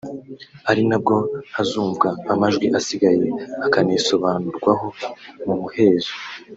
ari nabwo hazumvwa amajwi asigaye akanisobanurwaho mu muhezo